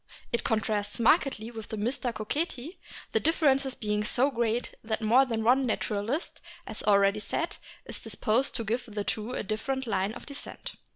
It contrasts markedly with the Mystacoceti, the differences being so great that more than one naturalist, as already said, is dis posed to give to the two a different line of descent.